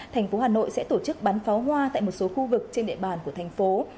thành phố hà nội sẽ tổ chức bắn pháo hoa tại một số khu vực trên địa bàn của thành phố